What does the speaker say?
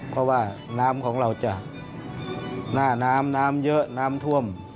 เพราะว่าน้ำของเราจะหน้าน้ำน้ำเยอะน้ำท่วม